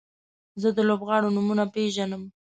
زه د لوبغاړو نومونه پیژنم.